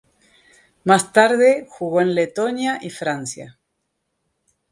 Más tarde, jugó en Letonia y Francia.